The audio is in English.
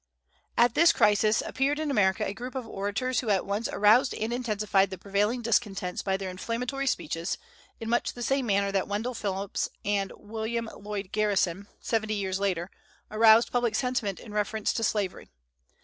At this crisis appeared in America a group of orators who at once aroused and intensified the prevailing discontents by their inflammatory speeches, in much the same manner that Wendell Phillips and Wm. Lloyd Garrison, seventy years later, aroused public sentiment in reference to slavery.